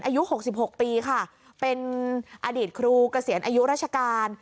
อายุ๖๖ปีค่ะเป็นอดีตครูเกษียณอายุราชการ